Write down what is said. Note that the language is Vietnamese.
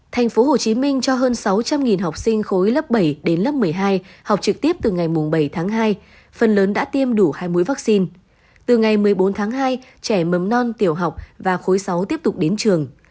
thành phố hồ chí minh cho hơn sáu trăm linh học sinh khối lớp bảy đến lớp một mươi hai học trực tiếp từ ngày bảy tháng hai phần lớn đã tiêm đủ hai mũi vaccine từ ngày một mươi bốn tháng hai trẻ mầm non tiểu học và khối sáu tiếp tục đến trường